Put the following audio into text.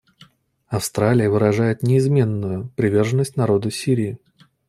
Австралия выражает неизменную приверженность народу Сирии.